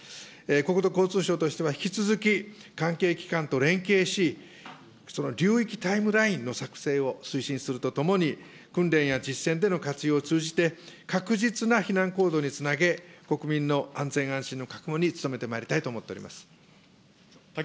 国土交通省としては、引き続き、関係機関と連携し、流域タイムラインの作成を推進するとともに、訓練や実践での活用を通じて、確実な避難行動につなげ、国民の安全安心の確保に努めてまいりたいと思っております。